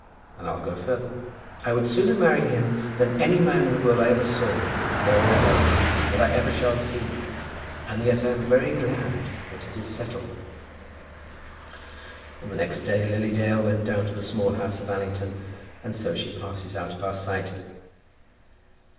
And I'll go further. I would sooner marry him than any man in the world I ever saw, or, as I believe, that I ever shall see. And yet I am very glad that it is settled." On the next day Lily Dale went down to the Small House of Allington, and so she passes out of our sight.